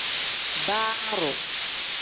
Baaroo.